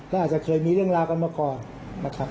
และอาจจะเคยมีเรื่องราวกันมาก่อนนะครับ